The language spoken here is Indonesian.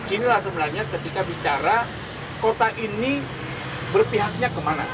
inilah sebenarnya ketika bicara kota ini berpihaknya kemana